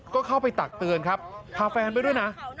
ก็เข้าไปตักเตือนครับพาแฟนไปด้วยนะ